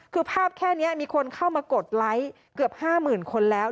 คือภาพแค่นี้มีคนเข้ามากดไลค์เกือบ๕๐๐๐คนแล้ว